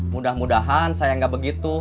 mudah mudahan saya nggak begitu